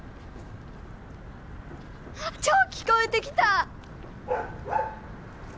あっ超聞こえてきた！